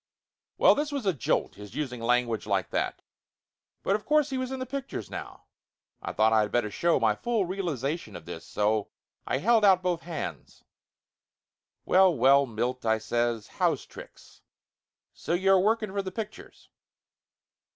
Well this was a jolt, his using language like that, but of course he was in the pictures now. I thought I had better show my full realization of this, so I held out both hands. 273 274 Laughter Limited "Well, well, Milt!" I says. "How's tricks? So you are working for the pictures!"